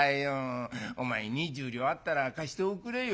お前２０両あったら貸しておくれよ」。